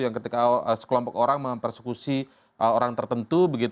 yang ketika sekelompok orang mempersekusi orang tertentu